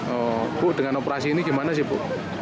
oh bu dengan operasi ini gimana sih bu